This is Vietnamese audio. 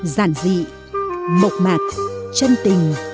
giản dị mộc mạc chân tình